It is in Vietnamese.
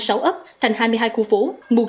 hai mươi sáu ấp thành hai mươi hai khu phố